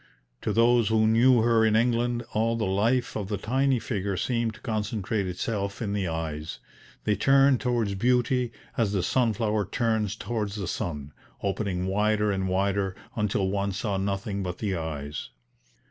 To those who knew her in England, all the life of the tiny figure seemed to concentrate itself in the eyes; they turned towards beauty as the sunflower turns towards the sun, opening wider and wider until one saw nothing but the eyes.